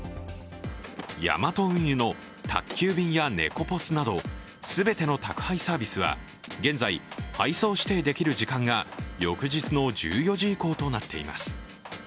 ヤマト運輸の宅急便やネコポスなど全ての宅配サービスは現在、配送指定できる時間が翌日の１４時以降となっています。